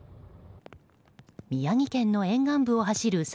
宮城県の沿岸部を走る